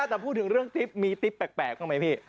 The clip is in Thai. แต่พูดถึงเรื่องติ๊บมีติ๊บแปลกบ้างไหมพี่